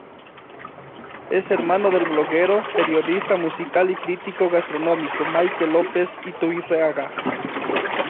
Es hermano del bloguero, periodista musical y crítico gastronómico Mikel López Iturriaga.